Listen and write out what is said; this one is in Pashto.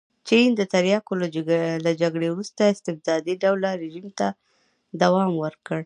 چین د تریاکو له جګړې وروسته استبدادي ډوله رژیم ته دوام ورکړ.